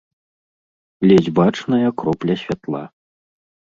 Ледзь бачная кропля святла.